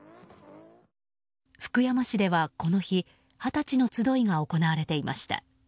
福山市ではこの日二十歳の集いが行われていました。